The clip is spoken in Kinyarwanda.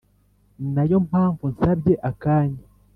ninayo mpamvu nsabye akanya